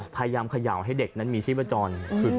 พยายามขย่าวให้เด็กนั้นมีชีวิตประจอญ